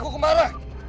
jawab aku gumara